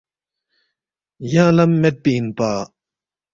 ینگ لم میدپی اِنپا